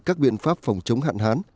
các biện pháp phòng chống hạn hán